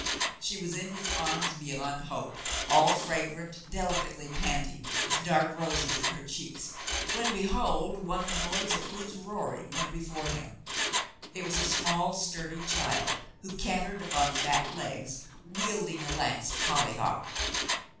She was in his arms beyond hope, all fragrant, delicately panting, with dark roses in her cheeks, when behold one the noise of whose roaring went before him. It was a small, sturdy child, who can tered upon fat legs, wielding a lance of hollyhock.